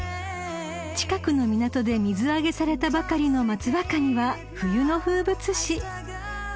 ［近くの港で水揚げされたばかりの松葉かには冬の風物詩］